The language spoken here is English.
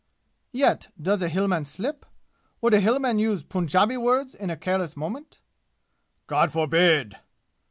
"Yet does a Hillman slip? Would a Hillman use Punjabi words in a careless moment?"' "God forbid!"